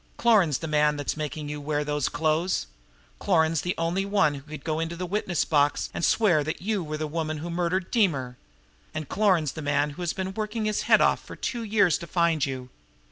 Cloran's the man that's making you wear those clothes; Cloran's the only one who could go into the witness box and swear that you were the woman who murdered Deemer; and Cloran's the man who has been working his head off for two years to find you.